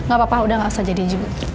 gapapa udah gausah jadiin aja bu